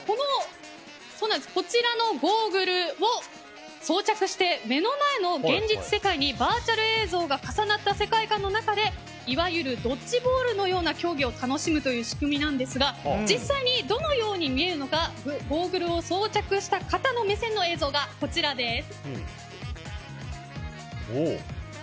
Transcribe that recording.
こちらのゴーグルを装着して目の前の現実世界にバーチャル映像が重なった世界観の中でいわゆるドッジボールのような競技を楽しむという仕組みなんですが実際にどのように見えるのかゴーグルを装着した方の目線の映像がこちらです。